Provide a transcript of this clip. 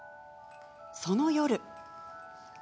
その夜。